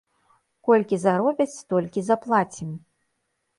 Колькі заробяць, столькі заплацім.